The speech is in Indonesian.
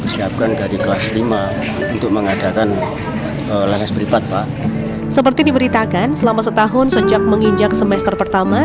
seperti diberitakan selama setahun sejak menginjak semester pertama